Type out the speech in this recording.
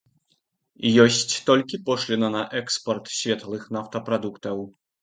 Ёсць толькі пошліна на экспарт светлых нафтапрадуктаў.